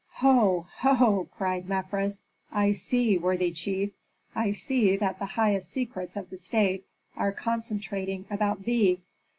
"Ho! ho!" cried Mefres, "I see, worthy chief, I see that the highest secrets of the state are concentrating about thee.